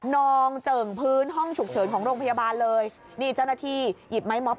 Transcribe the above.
องเจิ่งพื้นห้องฉุกเฉินของโรงพยาบาลเลยนี่เจ้าหน้าที่หยิบไม้ม็อบ